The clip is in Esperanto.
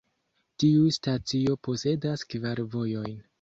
Tiu stacio posedas kvar vojojn.